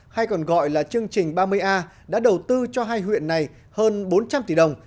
hay còn gọi là chương trình ba mươi a đã đầu tư cho hai huyện này hơn bốn trăm linh tỷ đồng